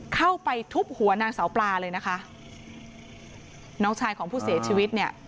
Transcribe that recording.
เข้าไปทุบหัวนางสาวปลาเลยนะคะน้องชายของผู้เสียชีวิตเนี่ย